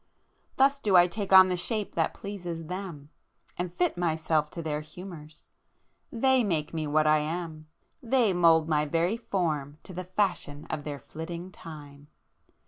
—thus do I take on the shape that pleases them, and fit myself to their humours! They make me what I am;—they mould my very form to the fashion of their flitting time.